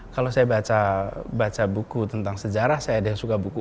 kalau saya baca buku tentang sejarah saya ada yang suka buku